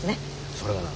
それがな